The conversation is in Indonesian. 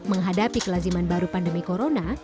menghadapi kelaziman baru pandemi corona